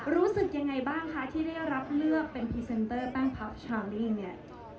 รู้สึกยังไงบ้างคะที่ได้รับเลือกเป็นพรีเซนเตอร์แป้งพับชาลีเนี่ย